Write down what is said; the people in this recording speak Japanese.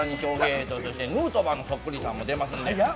大谷翔平、ヌートバーのそっくりさんも出ますんで。